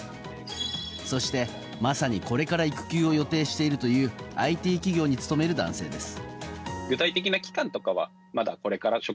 そして、まさにこれから育休を予定しているというＩＴ企業に勤める男性です。